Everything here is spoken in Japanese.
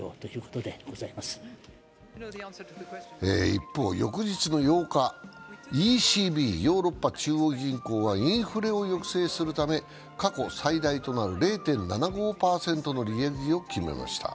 一方、翌日の８日、ＥＣＢ＝ヨーロッパ中央銀行はインフレを抑制するため過去最大となる０．７５％の利上げを決めました。